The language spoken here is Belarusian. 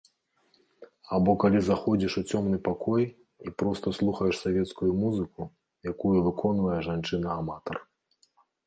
Або калі заходзіш у цёмны пакой і проста слухаеш савецкую музыку, якую выконвае жанчына-аматар.